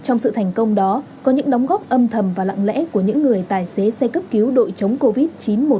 trong sự thành công đó có những đóng góp âm thầm và lặng lẽ của những người tài xế xe cấp cứu đội chống covid chín trăm một mươi chín